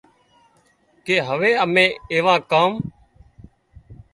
ڪي هوي امين ايوون ڪام